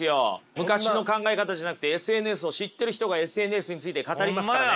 昔の考え方じゃなくてＳＮＳを知ってる人がＳＮＳについて語りますからね。